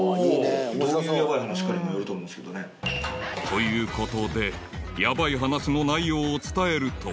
［ということでヤバい話の内容を伝えると］